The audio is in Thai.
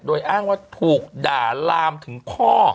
โดยอ้างว่าถูกด่าลามถึงพ่อ